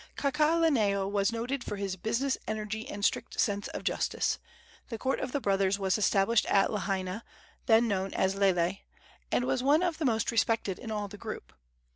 Kakaalaneo was noted for his business energy and strict sense of justice. The court of the brothers was established at Lahaina then known as Lele and was one of the most respected in all the group.